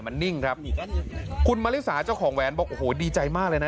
มันนิ่งครับคุณมริสาเจ้าของแหวนบอกโอ้โหดีใจมากเลยนะ